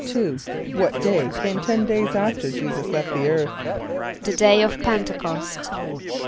= What day came ten days after J[=e]´[s+]us left the earth? =The Day of P[)e]n´te c[)o]st.